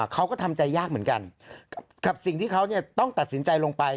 เขาก็ทำใจยากเหมือนกันกับสิ่งที่เขาต้องตัดสินใจลงไป